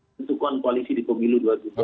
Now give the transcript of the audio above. ditukar koalisi di pogilu dua ribu delapan belas